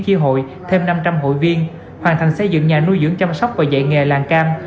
chi hội thêm năm trăm linh hội viên hoàn thành xây dựng nhà nuôi dưỡng chăm sóc và dạy nghề làng cam